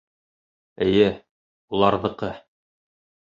— Эйе, уларҙыҡы.